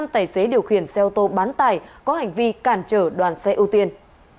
năm tài xế điều khiển xe ô tô bán tải có hành vi cản trở đoàn xe ưu tiên